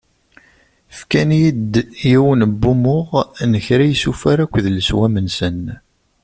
Ffkan-d yiwen n wumuɣ n kra n yisufar akked leswam-nsen.